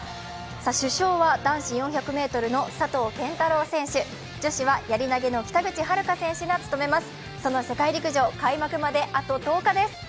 主将は男子４００ｍの佐藤拳太郎選手、女子はやり投げの北口榛花選手が務めます。